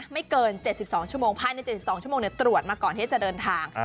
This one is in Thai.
ไม่เกิน๗๒ชั่วโมงภายใน๗๒ชั่วโมงตรวจมาก่อนที่จะเดินทาง